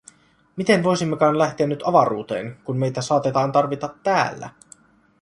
Miten voisimmekaan lähteä nyt avaruuteen, kun meitä saatetaan tarvita täällä?